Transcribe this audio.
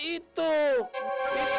itu yang gua coba